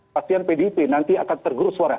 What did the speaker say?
pasien pdp nanti akan tergerus suara